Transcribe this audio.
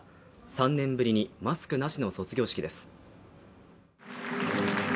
３年ぶりにマスクなしの卒業式です。